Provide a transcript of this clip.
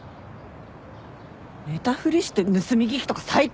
寝たふりして盗み聞きとか最低。